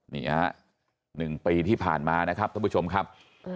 นี่ฮะ๑ปีที่ผ่านมานะครับท่านผู้ชมครับ